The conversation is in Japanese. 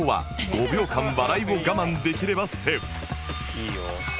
いいよ。